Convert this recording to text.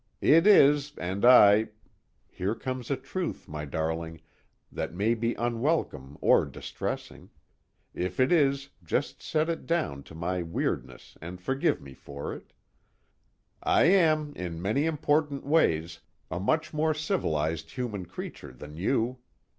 It is, and I (here comes a truth, my darling, that may be unwelcome or distressing; if it is, just set it down to my weirdness and forgive me for it) I am, in many important ways, a much more civilized human creature than you.